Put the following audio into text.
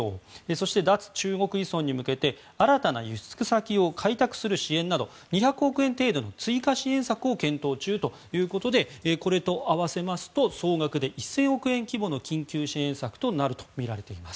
そして、脱中国依存に向けて新たな輸出先を開拓する支援など２００億円程度の追加支援策を検討中ということでこれと合わせますと総額で１０００億円規模の緊急支援策となるとみられています。